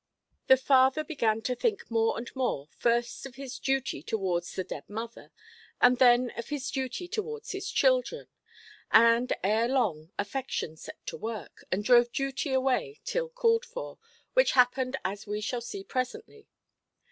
The father began to think more and more, first of his duty towards the dead mother, and then of his duty towards his children; and ere long affection set to work, and drove duty away till called for, which happened as we shall see presently.